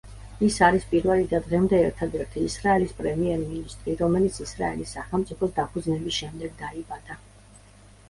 ის არის პირველი და დღემდე ერთადერთი ისრაელის პრემიერ-მინისტრი, რომელიც ისრაელის სახელმწიფოს დაფუძნების შემდეგ დაიბადა.